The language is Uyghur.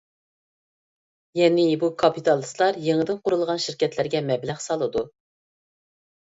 يەنى، بۇ كاپىتالىستلار يېڭىدىن قۇرۇلىدىغان شىركەتلەرگە مەبلەغ سالىدۇ.